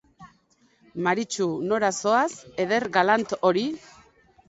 Maritxu, nora zoaz, eder galant hori?